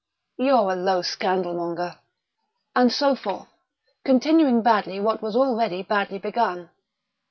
"You're a low scandalmonger!..." And so forth, continuing badly what was already badly begun.